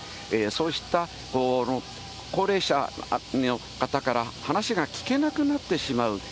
そうした高齢者の方から話が聞けなくなってしまう。